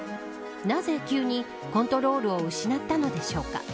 なぜ急にコントロールを失ったのでしょうか。